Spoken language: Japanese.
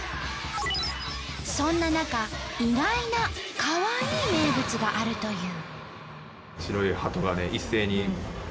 そんな中意外な「カワイイ名物」があるという。